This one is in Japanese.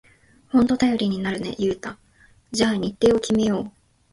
ほんと頼りになるね、ユウタ。じゃあ日程を決めよう！